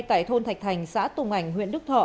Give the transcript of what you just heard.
tại thôn thạch thành xã tùng ảnh huyện đức thọ